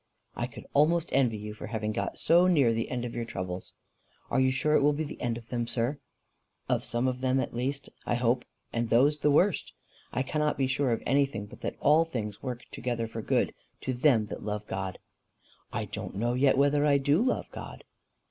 "I could almost envy you for having got so near the end of your troubles." "Are you sure it will be the end of them, sir?" "Of some of them at least, I hope, and those the worst. I cannot be sure of anything but that all things work together for good to them that love God." "I don't know yet whether I do love God."